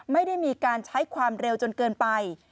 ไม่ได้มีการใช้ความเร็วจนเกินไป